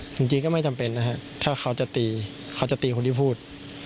จริงก็ไม่จำเป็นนะฮะถ้าเขาจะตีเขาจะตีคนที่พูด